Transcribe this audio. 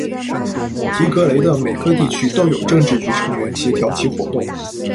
提格雷的每个地区都有政治局成员协调其活动。